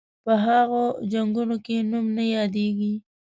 په هغو جنګونو کې نوم نه یادیږي.